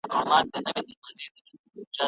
« لکه ونه مستقیم پر خپل مکان دی »